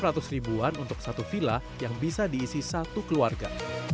ribuan untuk satu kamar dan enam ratus ribuan untuk satu villa yang bisa diisi satu keluarga